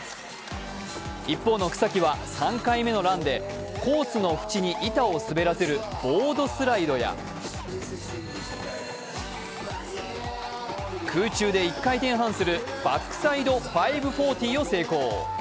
一方の草木は３回目のランでコースの縁に板を滑らせるボードスライドや空中で１回転半するバックサイド５４０を成功。